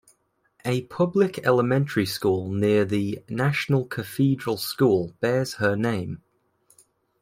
A public elementary school near the National Cathedral School bears her name.